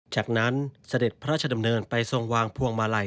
จากนั้นเสด็จพระราชดำเนินไปทรงวางพวงมาลัย